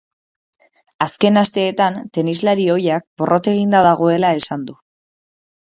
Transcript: Azken asteetan, tenislari ohiak porrot eginda dagoela esan du.